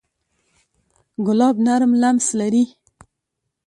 ګلاب نرم لمس لري.